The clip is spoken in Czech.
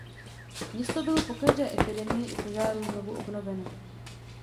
Město bylo po každé epidemii i požáru znovu obnoveno.